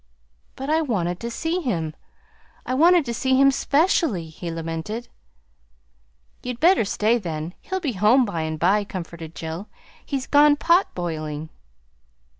"But I wanted to see him! I wanted to see him 'specially," he lamented. "You'd better stay, then. He'll be home by and by," comforted Jill. "He's gone pot boiling."